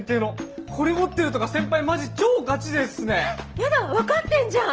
やだ分かってんじゃん。